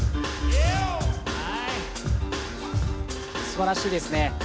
すばらしいですね